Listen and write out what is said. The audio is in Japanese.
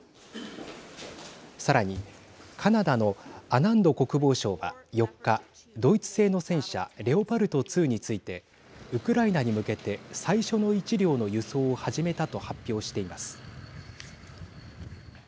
さらにカナダのアナンド国防相は４日ドイツ製の戦車レオパルト２についてウクライナに向けて最初の１両の輸送を始めたと発表しています。